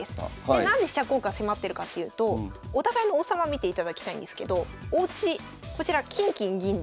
何で飛車交換迫ってるかっていうとお互いの王様見ていただきたいんですけどおうちこちら金金銀で。